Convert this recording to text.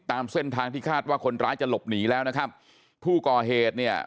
ตามเส้นทางที่คาดว่าคนร้ายจะหลบหนีแล้วนะครับผู้ก่อเหตุเนี่ย